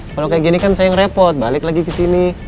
kalau kayak gini kan saya yang repot balik lagi ke sini